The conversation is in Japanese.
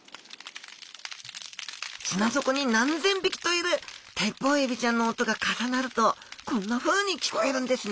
砂底に何千匹といるテッポウエビちゃんの音が重なるとこんなふうに聞こえるんですね・